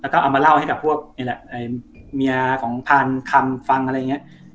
แล้วก็เอามาเล่าให้กับพวกเนี้ยแหละไอ้เมียของพานคำฟังอะไรอย่างเงี้ย